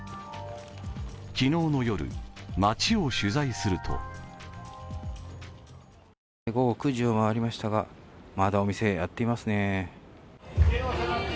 昨日の夜、街を取材すると午後９時を回りましたがまだお店やってますね。